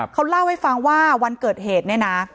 เขาเล่าให้ฟังว่าวันเกิดเหตุเนี่ยนะ